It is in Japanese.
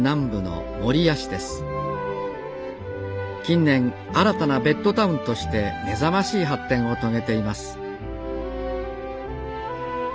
近年新たなベッドタウンとして目覚ましい発展を遂げています